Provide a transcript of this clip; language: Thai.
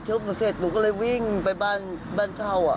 แต่เขาไม่อยากให้หนูเข้าไปในพื้นที่เขา